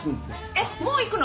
えっもう行くの？